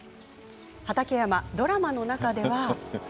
畠山、ドラマの中では。